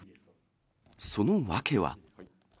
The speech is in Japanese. その訳は。